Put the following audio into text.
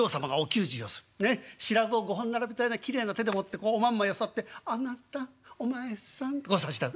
白魚を５本並べたようなきれいな手でもっておまんまよそって『あなたお前さん』っとこう差し出すね。